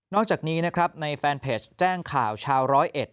อกจากนี้นะครับในแฟนเพจแจ้งข่าวชาวร้อยเอ็ด